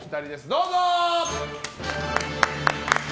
どうぞ！